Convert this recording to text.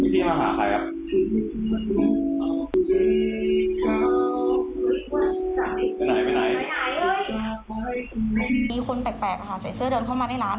มีคนแปลกใส่เสื้อเดินเข้ามาในร้าน